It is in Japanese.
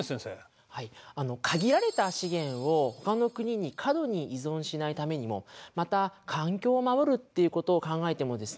はい限られた資源をほかの国に過度に依存しないためにもまた環境を守るっていうことを考えてもですね